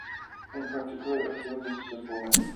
In particular, a field is a simple ring.